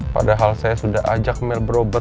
padahal saya sudah ajak mel berobat